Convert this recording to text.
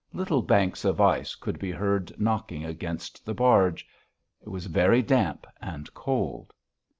Little banks of ice could be heard knocking against the barge.... It was very damp and cold....